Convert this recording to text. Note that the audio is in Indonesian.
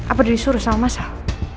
apa disuruh sama masal